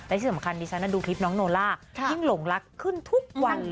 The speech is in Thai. และที่สำคัญดิฉันดูคลิปน้องโนล่ายิ่งหลงรักขึ้นทุกวัน